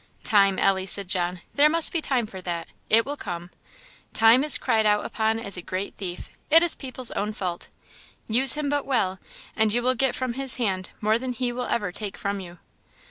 "Time, Ellie, said John; "there must be time for that. It will come. Time is cried out upon as a great thief; it is people's own fault. Use him but well, and you will get from his hand more than he will ever take from you."